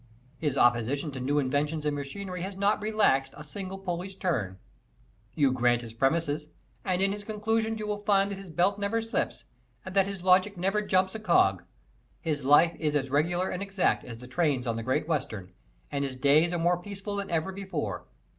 His opposition to new inventions in machinery has not relaxed a single pulley's turn. You grant his premises and in his conclusions you will find that his belt never slips, and that his logic never jumps a cog. His life is as regular and exact as the trains on the Great Western, and his days are more peaceful than ever before.